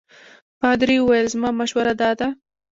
پادري وویل زما مشوره دا ده.